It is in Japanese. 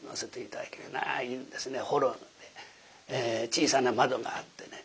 小さな窓があってね